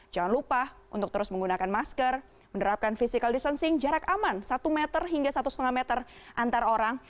jangan lupa untuk terus menggunakan masker menerapkan physical distancing jarak aman satu meter hingga satu lima meter antar orang